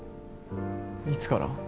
いつから？